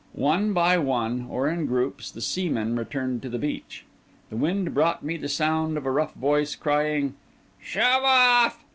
One by one, or in groups, the seamen returned to the beach. The wind brought me the sound of a rough voice crying, "Shove off!"